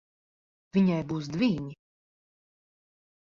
Viņai būs dvīņi.